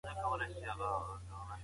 قومي مشران په ستره شورا کي خبري کوي.